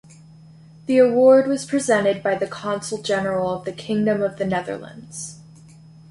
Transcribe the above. The award was presented by the Consul General of the Kingdom of the Netherlands.